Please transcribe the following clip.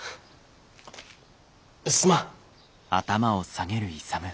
すまん。